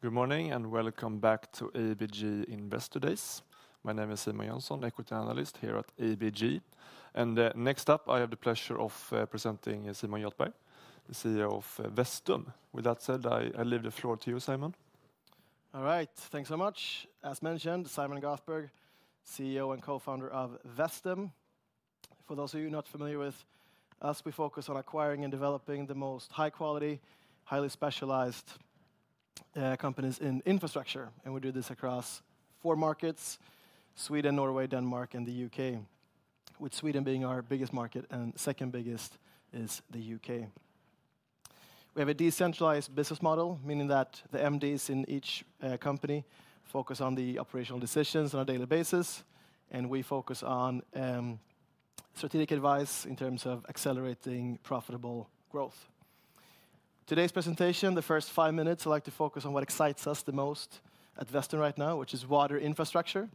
Good morning and welcome back to ABG Investor Days. My name is Simon Granath, Equity Analyst here at ABG. Next up, I have the pleasure of presenting Simon Göthberg, the CEO of Vestum. With that said, I leave the floor to you, Simon. All right, thanks so much. As mentioned, Simon Göthberg, CEO and co-founder of Vestum. For those of you not familiar with us, we focus on acquiring and developing the most high-quality, highly specialized companies in infrastructure, and we do this across four markets: Sweden, Norway, Denmark, and the U.K., with Sweden being our biggest market and second biggest is the U.K. We have a decentralized business model, meaning that the MDs in each company focus on the operational decisions on a daily basis, and we focus on strategic advice in terms of accelerating profitable growth. Today's presentation, the first five minutes, I'd like to focus on what excites us the most at Vestum right now, which is water infrastructure,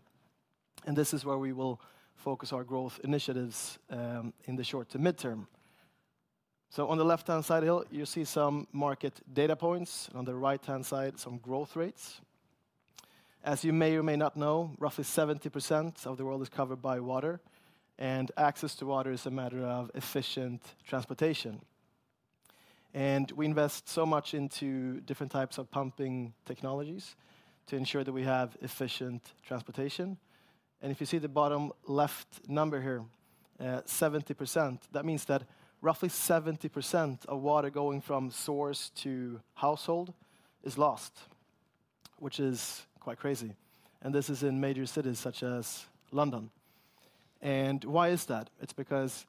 and this is where we will focus our growth initiatives in the short to midterm, so on the left-hand side here, you see some market data points. On the right-hand side, some growth rates. As you may or may not know, roughly 70% of the world is covered by water, and access to water is a matter of efficient transportation. And we invest so much into different types of pumping technologies to ensure that we have efficient transportation. And if you see the bottom left number here, 70%, that means that roughly 70% of water going from source to household is lost, which is quite crazy. And this is in major cities such as London. And why is that? It's because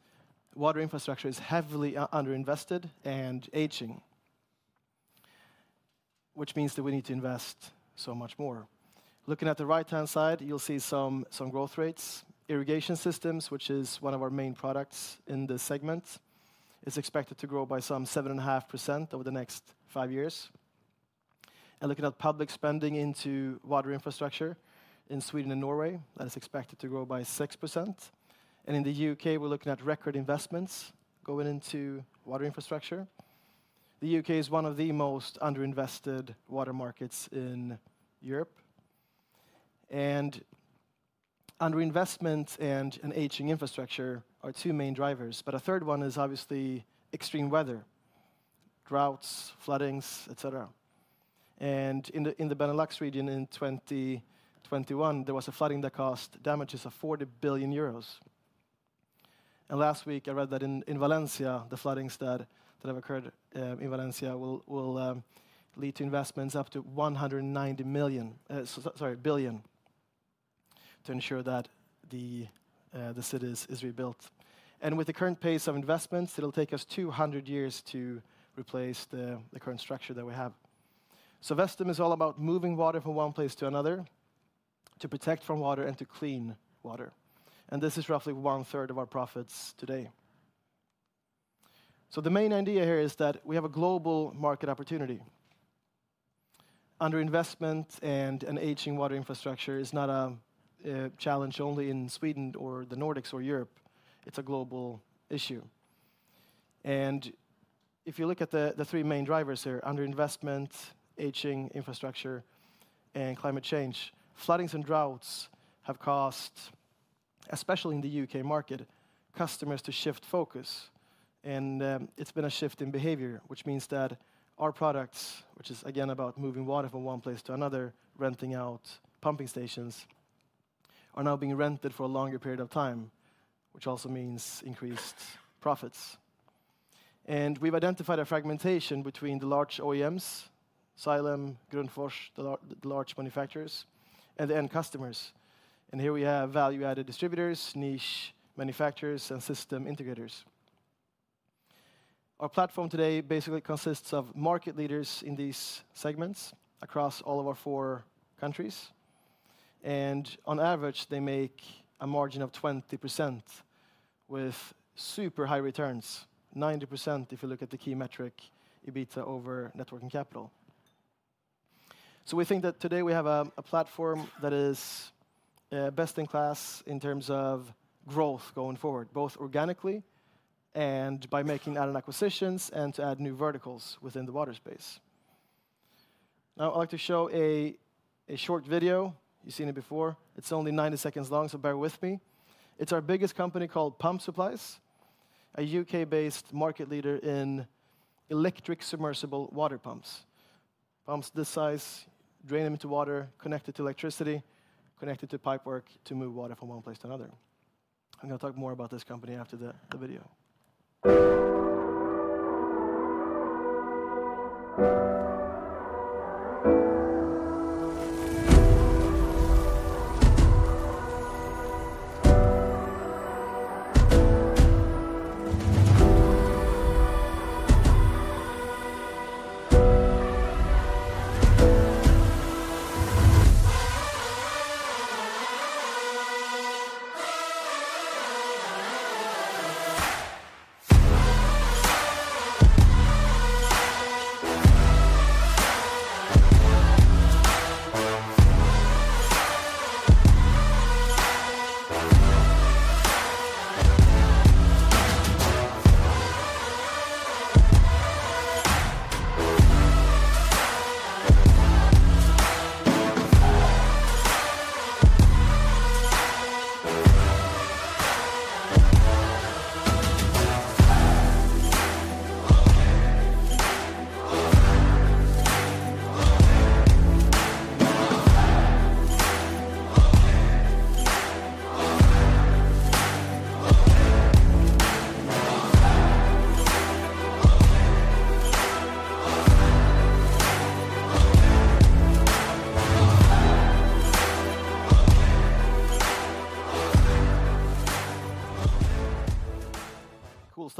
water infrastructure is heavily underinvested and aging, which means that we need to invest so much more. Looking at the right-hand side, you'll see some growth rates. Irrigation systems, which is one of our main products in the segment, is expected to grow by some 7.5% over the next five years. And looking at public spending into water infrastructure in Sweden and Norway, that is expected to grow by 6%. And in the U.K., we're looking at record investments going into water infrastructure. The U.K. is one of the most underinvested water markets in Europe. And underinvestment and an aging infrastructure are two main drivers. But a third one is obviously extreme weather, droughts, floodings, etc. And in the Benelux region in 2021, there was a flooding that caused damages of 40 billion euros. And last week, I read that in Valencia, the floodings that have occurred in Valencia will lead to investments up to 190 million, sorry, billion, to ensure that the city is rebuilt. And with the current pace of investments, it'll take us 200 years to replace the current structure that we have. So Vestum is all about moving water from one place to another to protect from water and to clean water. And this is roughly 1/3 of our profits today. So the main idea here is that we have a global market opportunity. Underinvestment and an aging water infrastructure is not a challenge only in Sweden or the Nordics or Europe. It's a global issue. And if you look at the three main drivers here, underinvestment, aging infrastructure, and climate change, floodings and droughts have caused, especially in the U.K. market, customers to shift focus. And it's been a shift in behavior, which means that our products, which is again about moving water from one place to another, renting out pumping stations, are now being rented for a longer period of time, which also means increased profits. And we've identified a fragmentation between the large OEMs, Xylem, Grundfos, the large manufacturers, and the end customers. And here we have value-added distributors, niche manufacturers, and system integrators. Our platform today basically consists of market leaders in these segments across all of our four countries. And on average, they make a margin of 20% with super high returns, 90% if you look at the key metric, EBITDA over net working capital. So we think that today we have a platform that is best in class in terms of growth going forward, both organically and by making added acquisitions and to add new verticals within the water space. Now, I'd like to show a short video. You've seen it before. It's only 90 seconds long, so bear with me. It's our biggest company called Pump Supplies, a U.K.-based market leader in electric submersible water pumps. Pumps this size, drain them into water, connect it to electricity, connect it to pipework to move water from one place to another. I'm going to talk more about this company after the video.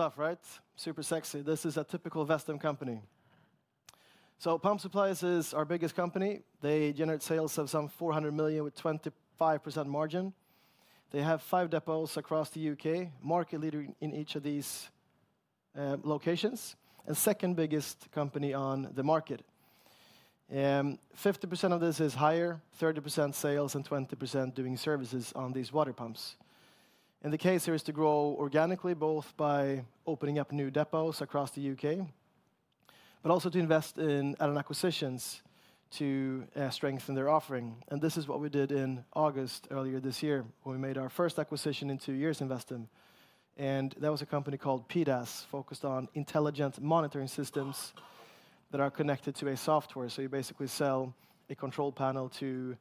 Cool stuff, right? Super sexy. This is a typical Vestum company. So Pump Supplies is our biggest company. They generate sales of some 400 million with 25% margin. They have five depots across the U.K., market leader in each of these locations, and second biggest company on the market. 50% of this is hire, 30% sales, and 20% doing services on these water pumps. And the case here is to grow organically, both by opening up new depots across the U.K., but also to invest in added acquisitions to strengthen their offering. And this is what we did in August earlier this year, when we made our first acquisition in two years in Vestum. That was a company called PDAS, focused on intelligent monitoring systems that are connected to a software. So you basically sell a control panel to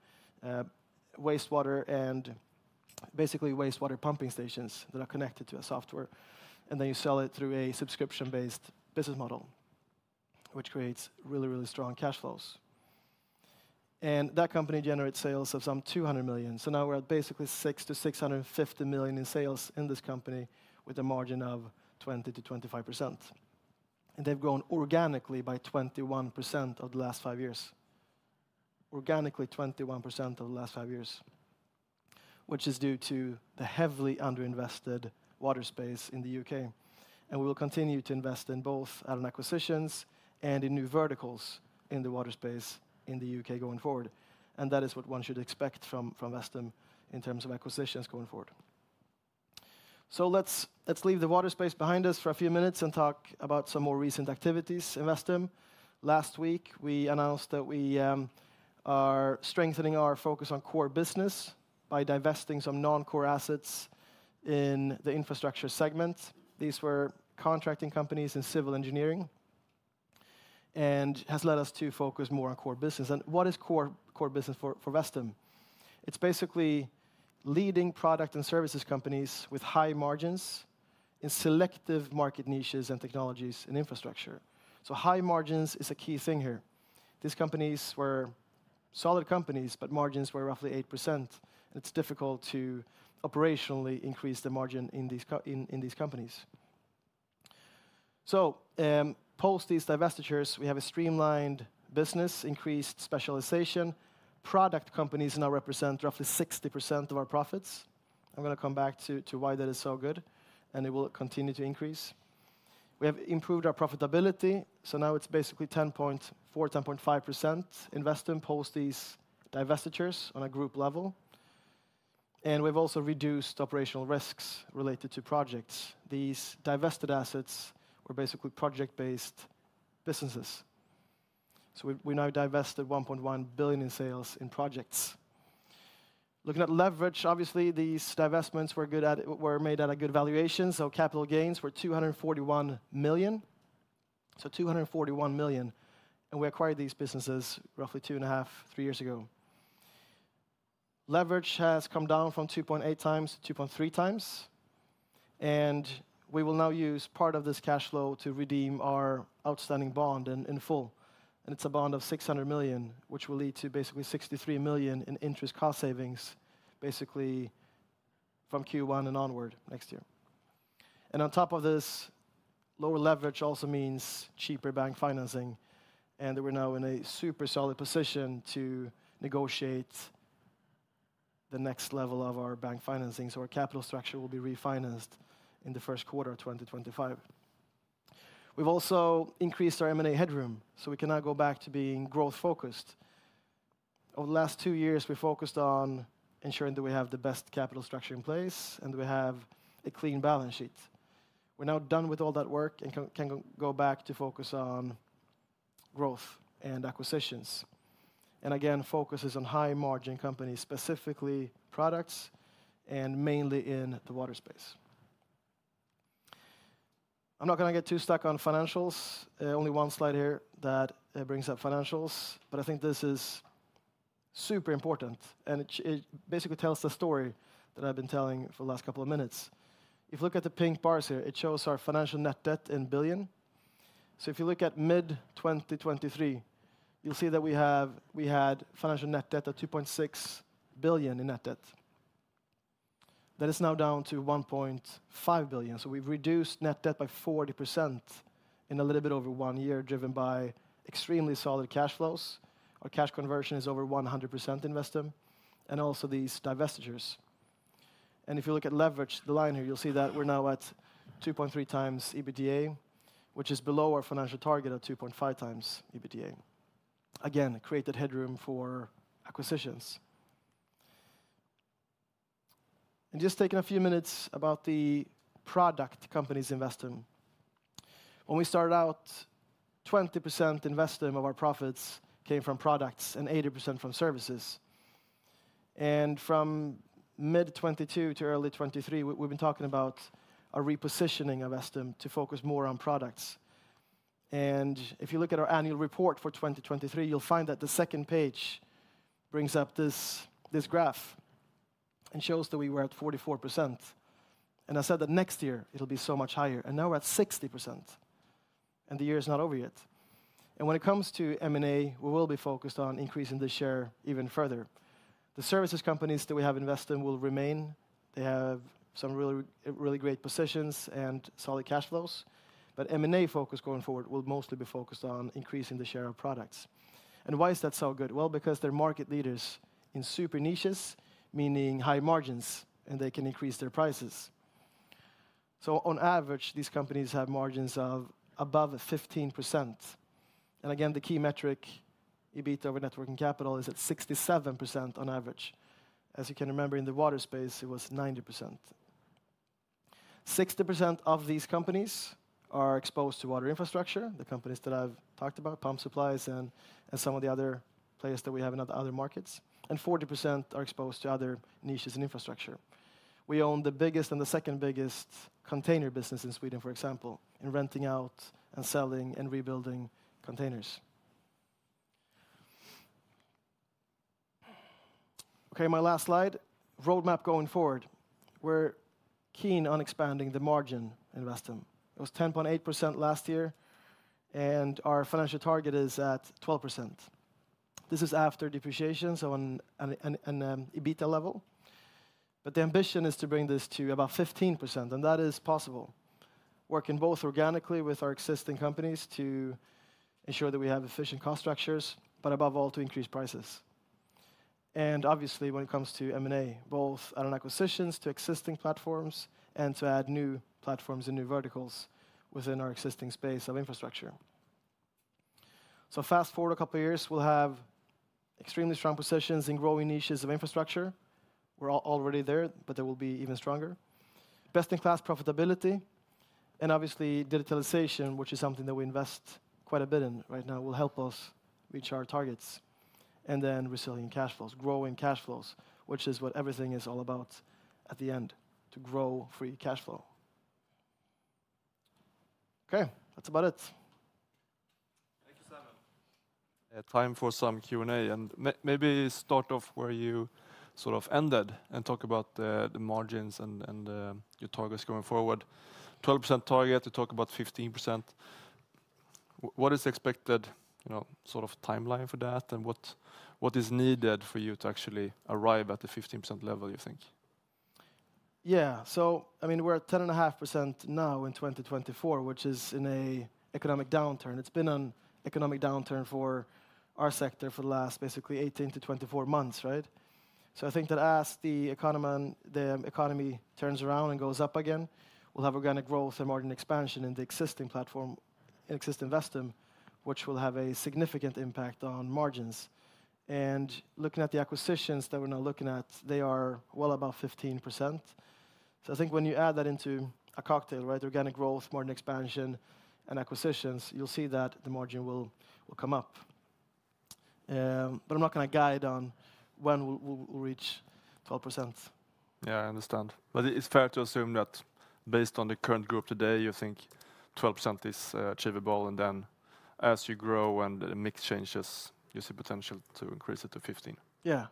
wastewater and basically wastewater pumping stations that are connected to a software. And then you sell it through a subscription-based business model, which creates really, really strong cash flows. And that company generates sales of some 200 million. So now we're at basically 600 to 650 million in sales in this company with a margin of 20% to 25%. And they've grown organically by 21% over the last five years. Organically, 21% over the last five years, which is due to the heavily underinvested water space in the U.K. And we will continue to invest in both added acquisitions and in new verticals in the water space in the U.K. going forward. And that is what one should expect from Vestum in terms of acquisitions going forward. So let's leave the water space behind us for a few minutes and talk about some more recent activities in Vestum. Last week, we announced that we are strengthening our focus on core business by divesting some non-core assets in the infrastructure segment. These were contracting companies in civil engineering. And it has led us to focus more on core business. And what is core business for Vestum? It's basically leading product and services companies with high margins in selective market niches and technologies and infrastructure. So high margins is a key thing here. These companies were solid companies, but margins were roughly 8%. And it's difficult to operationally increase the margin in these companies. So post these divestitures, we have a streamlined business, increased specialization. Product companies now represent roughly 60% of our profits. I'm going to come back to why that is so good, and it will continue to increase. We have improved our profitability, so now it's basically 10.4%, 10.5%. Vestum, post these divestitures, on a group level, and we've also reduced operational risks related to projects. These divested assets were basically project-based businesses, so we now divested 1.1 billion in sales in projects. Looking at leverage, obviously, these divestments were made at a good valuation, so capital gains were 241 million, so 241 million. And we acquired these businesses roughly two and a half, three years ago. Leverage has come down from 2.8 times to 2.3 times, and we will now use part of this cash flow to redeem our outstanding bond in full, and it's a bond of 600 million, which will lead to basically 63 million in interest cost savings, basically from Q1 and onward next year. On top of this, lower leverage also means cheaper bank financing. We're now in a super solid position to negotiate the next level of our bank financing. Our capital structure will be refinanced in the first quarter of 2025. We've also increased our M&A headroom, so we can now go back to being growth-focused. Over the last two years, we focused on ensuring that we have the best capital structure in place and we have a clean balance sheet. We're now done with all that work and can go back to focus on growth and acquisitions. Again, focus is on high-margin companies, specifically products, and mainly in the water space. I'm not going to get too stuck on financials. Only one slide here that brings up financials, but I think this is super important. It basically tells the story that I've been telling for the last couple of minutes. If you look at the pink bars here, it shows our financial net debt in billion. So if you look at mid-2023, you'll see that we had financial net debt of 2.6 billion in net debt. That is now down to 1.5 billion. So we've reduced net debt by 40% in a little bit over one year, driven by extremely solid cash flows. Our cash conversion is over 100% in Vestum and also these divestitures. And if you look at leverage, the line here, you'll see that we're now at 2.3 times EBITDA, which is below our financial target of 2.5 times EBITDA. Again, created headroom for acquisitions. And just taking a few minutes about the product companies in Vestum. When we started out, 20% in Vestum of our profits came from products and 80% from services. And from mid-2022 to early 2023, we've been talking about a repositioning of Vestum to focus more on products. And if you look at our annual report for 2023, you'll find that the second page brings up this graph and shows that we were at 44%. And I said that next year it'll be so much higher. And now we're at 60%. And the year is not over yet. And when it comes to M&A, we will be focused on increasing the share even further. The services companies that we have in Vestum will remain. They have some really great positions and solid cash flows. But M&A focus going forward will mostly be focused on increasing the share of products. And why is that so good? Because they're market leaders in super niches, meaning high margins, and they can increase their prices. So on average, these companies have margins of above 15%. And again, the key metric, EBITDA over net working capital, is at 67% on average. As you can remember, in the water space, it was 90%. 60% of these companies are exposed to water infrastructure, the companies that I've talked about, Pump Supplies and some of the other players that we have in other markets. And 40% are exposed to other niches in infrastructure. We own the biggest and the second biggest container business in Sweden, for example, in renting out and selling and rebuilding containers. Okay, my last slide, roadmap going forward. We're keen on expanding the margin in Vestum. It was 10.8% last year, and our financial target is at 12%. This is after depreciation, so an EBITDA level. But the ambition is to bring this to about 15%, and that is possible. Working both organically with our existing companies to ensure that we have efficient cost structures, but above all, to increase prices. And obviously, when it comes to M&A, both added acquisitions to existing platforms and to add new platforms and new verticals within our existing space of infrastructure. So fast forward a couple of years, we'll have extremely strong positions in growing niches of infrastructure. We're already there, but there will be even stronger. Best in class profitability. And obviously, digitalization, which is something that we invest quite a bit in right now, will help us reach our targets. And then resilient cash flows, growing cash flows, which is what everything is all about at the end, to grow free cash flow. Okay, that's about it. Thank you, Simon. Time for some Q&A. Maybe start off where you sort of ended and talk about the margins and your targets going forward. 12% target, you talk about 15%. What is the expected sort of timeline for that, and what is needed for you to actually arrive at the 15% level, you think? Yeah, so I mean, we're at 10.5% now in 2024, which is in an economic downturn. It's been an economic downturn for our sector for the last basically 18 to 24 months, right? So I think that as the economy turns around and goes up again, we'll have organic growth and margin expansion in the existing platform, in existing Vestum, which will have a significant impact on margins. Looking at the acquisitions that we're now looking at, they are well above 15%. So I think when you add that into a cocktail, right, organic growth, margin expansion, and acquisitions, you'll see that the margin will come up. But I'm not going to guide on when we'll reach 12%. Yeah, I understand. But it's fair to assume that based on the current group today, you think 12% is achievable. And then as you grow and the mix changes, you see potential to increase it to 15%. Yeah.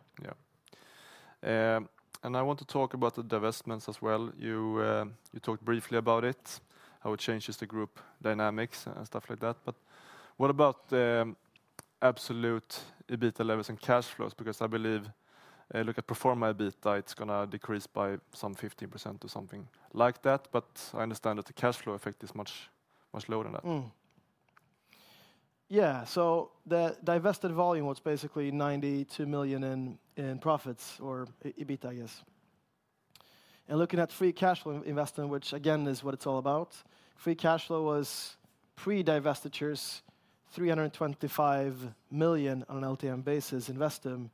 Yeah. And I want to talk about the divestments as well. You talked briefly about it, how it changes the group dynamics and stuff like that. But what about the absolute EBITDA levels and cash flows? Because I believe look at pro forma EBITDA, it's going to decrease by some 15% or something like that. But I understand that the cash flow effect is much lower than that. Yeah, so the divested volume, it's basically 92 million in profits or EBITDA, I guess. And looking at free cash flow investment, which again is what it's all about, free cash flow was pre-divestitures 325 million on an LTM basis in Vestum,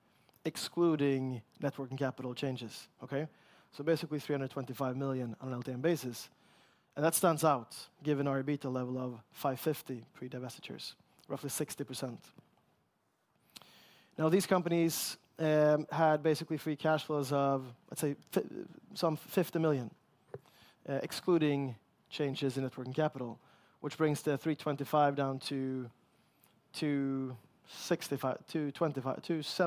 excluding net working capital changes. Okay? So basically 325 million on an LTM basis. And that stands out given our EBITDA level of 550 pre-divestitures, roughly 60%. Now these companies had basically free cash flows of, let's say, some 50 million, excluding changes in net working capital, which brings the 325 million down to 275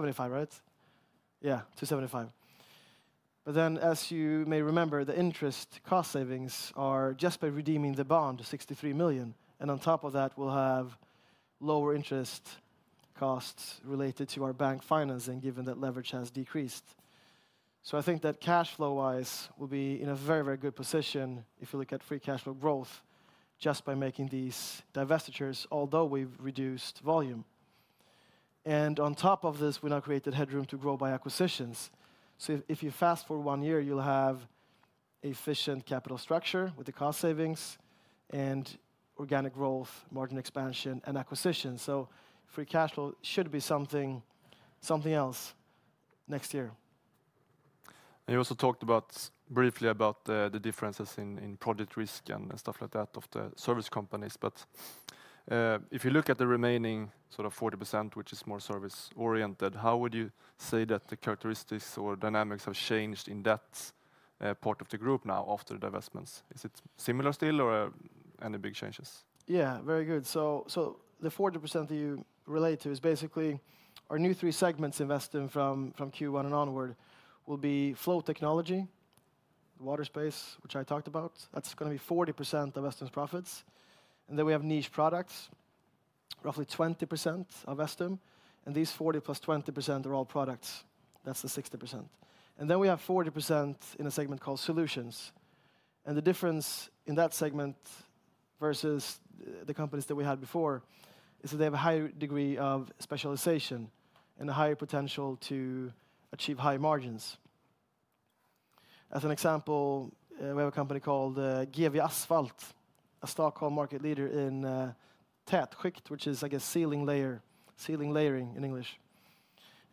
million, right? Yeah, 275 million. But then as you may remember, the interest cost savings are just by redeeming the bond of 63 million. And on top of that, we'll have lower interest costs related to our bank financing, given that leverage has decreased. So, I think that cash flow-wise will be in a very, very good position if you look at free cash flow growth just by making these divestitures, although we've reduced volume. And on top of this, we now created headroom to grow by acquisitions. So if you fast forward one year, you'll have an efficient capital structure with the cost savings and organic growth, margin expansion, and acquisitions. So free cash flow should be something else next year. And you also talked briefly about the differences in project risk and stuff like that of the service companies. But if you look at the remaining sort of 40%, which is more service-oriented, how would you say that the characteristics or dynamics have changed in that part of the group now after the divestments? Is it similar still or any big changes? Yeah, very good. So the 40% that you relate to is basically our new three segments in Vestum from Q1 and onward will be flow technology, water space, which I talked about. That's going to be 40% of Vestum's profits. And then we have niche products, roughly 20% of Vestum. And these 40% + 20% are all products. That's the 60%. And then we have 40% in a segment called solutions. And the difference in that segment versus the companies that we had before is that they have a higher degree of specialization and a higher potential to achieve high margins. As an example, we have a company called GW Asfalt, a Stockholm market leader in tätskikt, which is, I guess, sealing layer, sealing layers in English.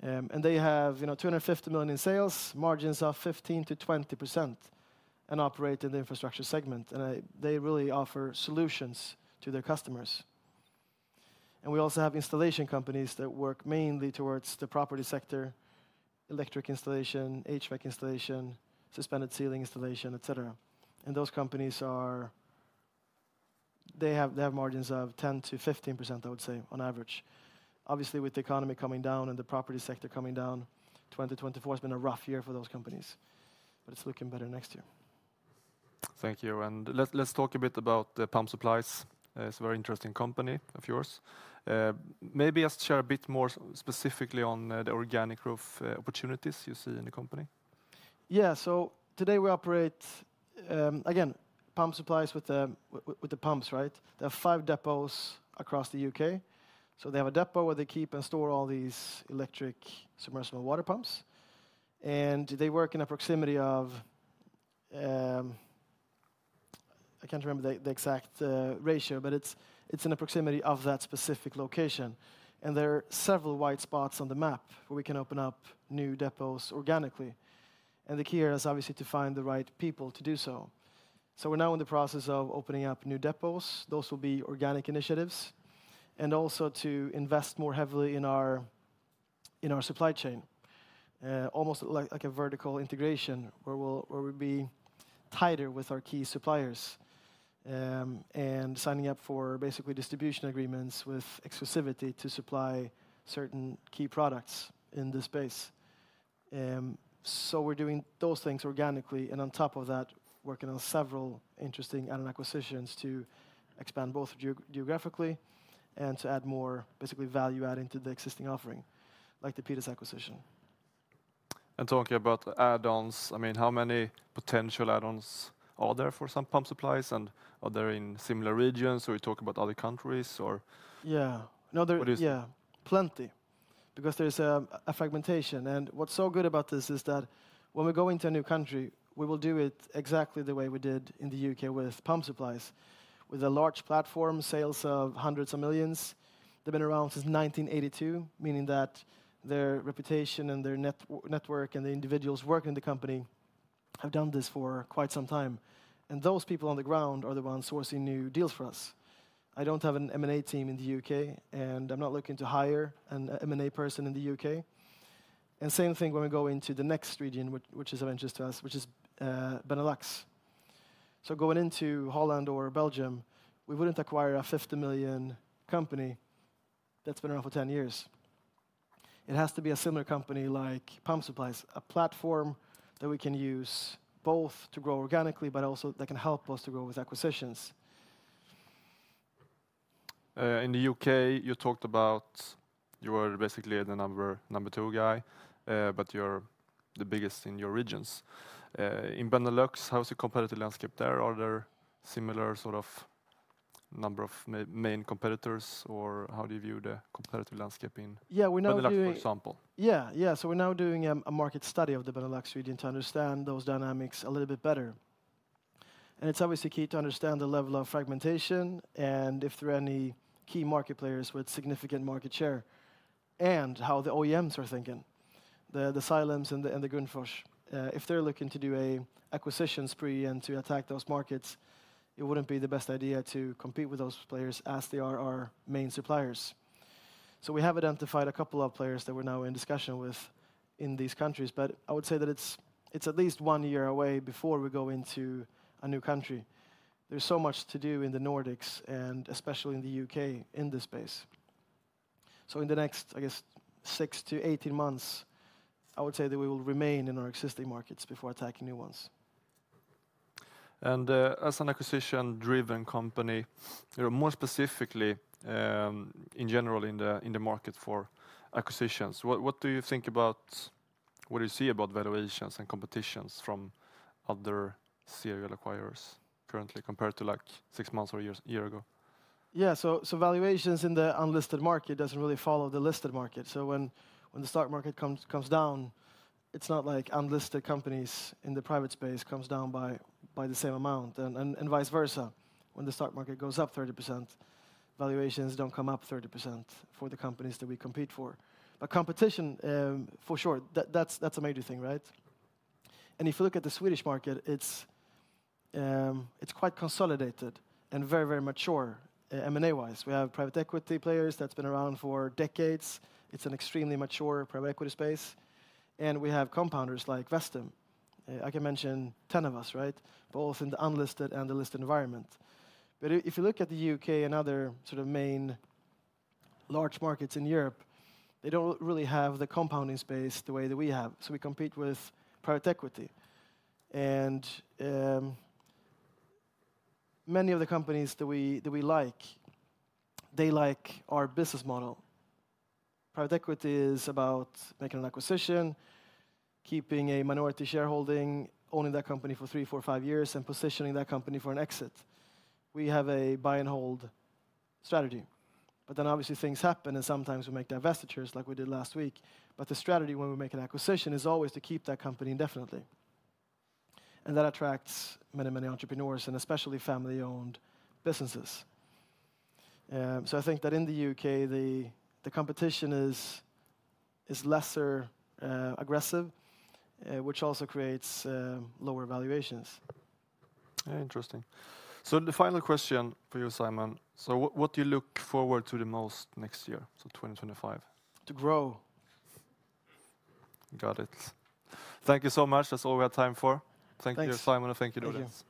And they have 250 million in sales, margins of 15% to 20%, and operate in the infrastructure segment. And they really offer solutions to their customers. We also have installation companies that work mainly towards the property sector, electric installation, HVAC installation, suspended ceiling installation, etc. Those companies are, they have margins of 10% to 15%, I would say, on average. Obviously, with the economy coming down and the property sector coming down, 2024 has been a rough year for those companies. It's looking better next year. Thank you. Let's talk a bit about Pump Supplies. It's a very interesting company of yours. Maybe just share a bit more specifically on the organic growth opportunities you see in the company. Yeah, so today we operate, again, Pump Supplies with the pumps, right? They have five depots across the U.K. So they have a depot where they keep and store all these electric submersible water pumps. They work in a proximity of. I can't remember the exact ratio, but it's in a proximity of that specific location. There are several white spots on the map where we can open up new depots organically. The key here is obviously to find the right people to do so. We're now in the process of opening up new depots. Those will be organic initiatives and also to invest more heavily in our supply chain, almost like a vertical integration where we'll be tighter with our key suppliers and signing up for basically distribution agreements with exclusivity to supply certain key products in the space. We're doing those things organically and on top of that, working on several interesting added acquisitions to expand both geographically and to add more basically value adding to the existing offering, like the PDAS acquisition. Talking about add-ons, I mean, how many potential add-ons are there for some Pump Supplies and are there in similar regions or you talk about other countries or? Yeah, yeah, plenty. Because there's a fragmentation. And what's so good about this is that when we go into a new country, we will do it exactly the way we did in the U.K. with Pump Supplies, with a large platform, sales of hundreds of millions. They've been around since 1982, meaning that their reputation and their network and the individuals working in the company have done this for quite some time. And those people on the ground are the ones sourcing new deals for us. I don't have an M&A team in the U.K., and I'm not looking to hire an M&A person in the U.K. And same thing when we go into the next region, which is of interest to us, which is Benelux. So going into Holland or Belgium, we wouldn't acquire a 50 million company that's been around for 10 years. It has to be a similar company like Pump Supplies, a platform that we can use both to grow organically, but also that can help us to grow with acquisitions. In the U.K., you talked about you are basically the number two guy, but you're the biggest in your regions. In Benelux, how's the competitive landscape there? Are there similar sort of number of main competitors or how do you view the competitive landscape in Benelux, for example? Yeah, yeah. So we're now doing a market study of the Benelux region to understand those dynamics a little bit better. It's obviously key to understand the level of fragmentation and if there are any key market players with significant market share and how the OEMs are thinking, the Xylems and the Grundfos. If they're looking to do an acquisition spree and to attack those markets, it wouldn't be the best idea to compete with those players as they are our main suppliers. We have identified a couple of players that we're now in discussion with in these countries, but I would say that it's at least one year away before we go into a new country. There's so much to do in the Nordics and especially in the U.K. in this space. In the next, I guess, six to 18 months, I would say that we will remain in our existing markets before attacking new ones. And as an acquisition-driven company, more specifically in general in the market for acquisitions, what do you think about what do you see about valuations and competitions from other serial acquirers currently compared to like six months or a year ago? Yeah, so valuations in the unlisted market doesn't really follow the listed market. So when the stock market comes down, it's not like unlisted companies in the private space come down by the same amount and vice versa. When the stock market goes up 30%, valuations don't come up 30% for the companies that we compete for. But competition, for sure, that's a major thing, right? And if you look at the Swedish market, it's quite consolidated and very, very mature M&A-wise. We have private equity players that's been around for decades. It's an extremely mature private equity space. And we have compounders like Vestum. I can mention 10 of us, right? Both in the unlisted and the listed environment. But if you look at the UK and other sort of main large markets in Europe, they don't really have the compounding space the way that we have. So we compete with private equity. And many of the companies that we like, they like our business model. Private equity is about making an acquisition, keeping a minority shareholding only in that company for three, four, five years, and positioning that company for an exit. We have a buy and hold strategy. But then obviously things happen and sometimes we make divestitures like we did last week. But the strategy when we make an acquisition is always to keep that company indefinitely. And that attracts many, many entrepreneurs and especially family-owned businesses. So I think that in the U.K., the competition is less aggressive, which also creates lower valuations. Interesting. So the final question for you, Simon. So what do you look forward to the most next year, so 2025? To grow. Got it. Thank you so much. That's all we have time for. Thank you, Simon, and thank you, Dorthe.